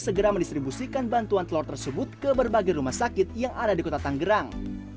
segera mendistribusikan bantuan telur tersebut ke berbagai rumah sakit yang ada di kota tanggerang